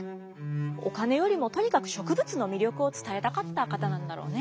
お金よりもとにかく植物の魅力を伝えたかった方なんだろうね。